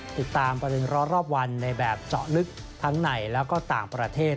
ติดตามประเด็นร้อนรอบวันในแบบเจาะลึกทั้งในแล้วก็ต่างประเทศ